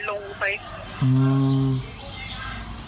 อือ